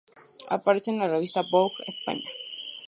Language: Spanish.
Aparece en la revista Vogue España.